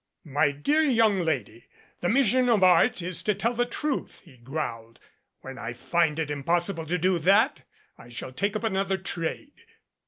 "My dear young lady, the mission of Art is to tell the truth," he growled. "When I find it impossible to do that, I shall take up another trade."